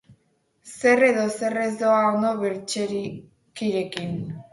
Zer edo zer ez doa ondo Baretskirekin.